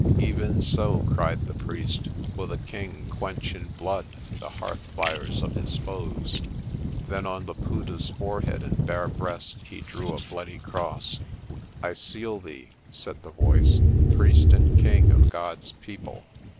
"Even so," cried the priest, "will the king quench in blood the hearth fires of his foes." Then on Laputa's forehead and bare breast he drew a bloody cross. "I seal thee," said the voice, "priest and king of God's people."